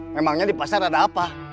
memangnya di pasar ada apa